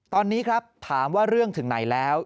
ตอนนี้ครับถามว่าเรื่องถึงไหนแล้ว